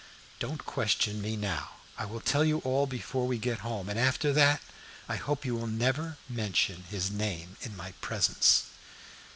Don't question me now. I will tell you all before we get home, and after that I hope you will never mention his name in my presence.